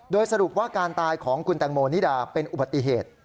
โดยสรุปว่าการตายของคุณแตงโมนิดาเป็นอุบัติเหตุ